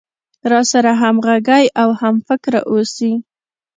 راسره همغږى او هم فکره اوسي.